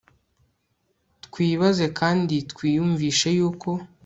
twibaze kandi twiyumvishe yuko